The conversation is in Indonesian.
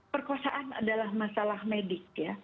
perkosaan adalah masalah medik ya